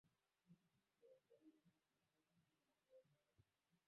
akanipa hivyo lakini midomo yangu ilikuwa mizito kumuuliza swali hilo Nikaacha